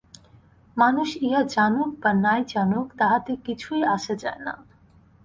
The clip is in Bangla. মানুষ ইহা জানুক বা নাই জানুক, তাহাতে কিছুই আসে যায় না।